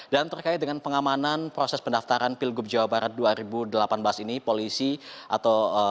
dan terkait dengan pengamanan proses pendaftaran pilgub jawa barat dua ribu delapan belas ini polisi atau